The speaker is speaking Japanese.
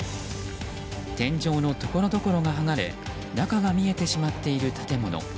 天井のところどころが剥がれ中が見えてしまっている建物。